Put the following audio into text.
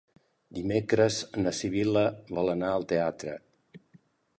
Dimecres na Sibil·la vol anar al teatre.